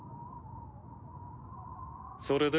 それで？